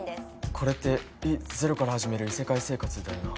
これって「Ｒｅ：ゼロから始める異世界生活」だよな